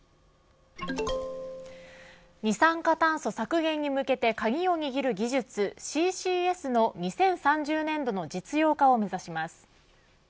二酸化炭素削減に向けて鍵を握る技術、ＣＣＳの２０３０年度の実用化を目指します。